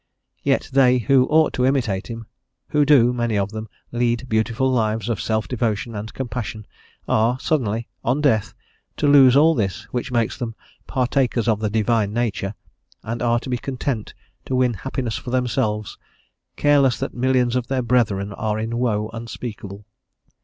Yet they, who ought to imitate him, who do, many of them, lead beautiful lives of self devotion and compassion, are suddenly, on death, to lose all this which makes them "partakers of the Divine Nature," and are to be content to win happiness for themselves, careless that millions of their brethren are in woe unspeakable.